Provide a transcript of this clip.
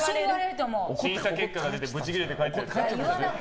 審査結果が出てブチギレて帰ったやつ。